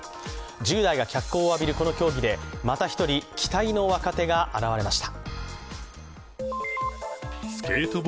１０代が脚光を浴びるこの競技でまた１人、期待の若手が現れました。